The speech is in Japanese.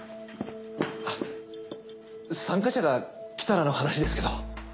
あっ参加者が来たらの話ですけど。